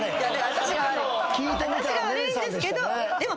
私が悪いんですけどでも。